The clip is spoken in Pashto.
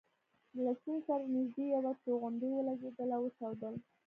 له سیند سره نژدې یوه توغندۍ ولګېدل او وچاودل.